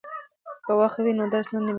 که وخت وي نو درس نه نیمګړی کیږي.